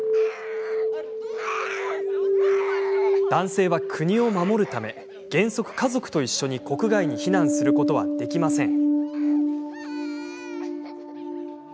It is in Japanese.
男性は国を守るため原則、家族と一緒に国外に避難することはできません。